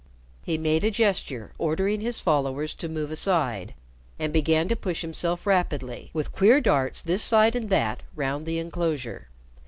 He made a gesture ordering his followers to move aside, and began to push himself rapidly, with queer darts this side and that round the inclosure.